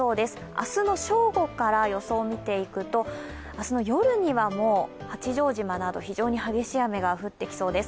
明日の正午から予想を見ていくと明日の夜にはもう八丈島など、非常に激しい雨が降ってきそうです。